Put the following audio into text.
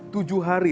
tujuh hari iya